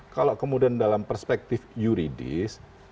kalau kemudian dalam perspektif yuridis